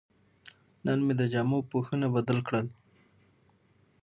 نن مې د جامو پوښونه بدل کړل.